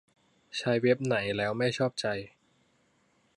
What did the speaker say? ใช้เว็บไหนแล้วไม่ชอบใจ